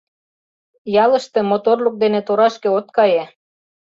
Ялыште моторлык дене торашке от кае...